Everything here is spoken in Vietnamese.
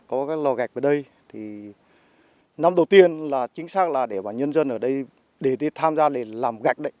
có cái lò gạch ở đây năm đầu tiên chính xác là để bà nhân dân ở đây tham gia làm gạch